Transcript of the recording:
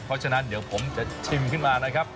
เพราะฉะนั้นเดี๋ยวผมจะชิมขึ้นมานะครับ